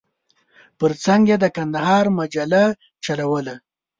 پر څنګ یې د کندهار مجله چلوله.